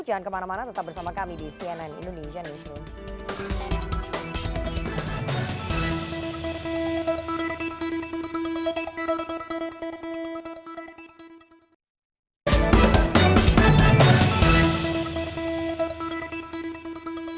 jangan kemana mana tetap bersama kami di cnn indonesian newsroom